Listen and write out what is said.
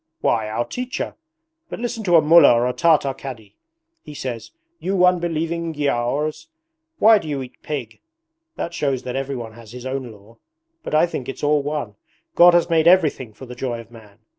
'Why, our teacher! But listen to a Mullah or a Tartar Cadi. He says, "You unbelieving Giaours, why do you eat pig?" That shows that everyone has his own law. But I think it's all one. God has made everything for the joy of man.